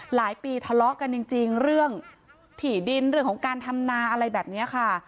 หลายปีทะเลาะกันจริงเรื่องถี่ดินเรื่องของการทำนาอะไรแบบนี้ค่ะ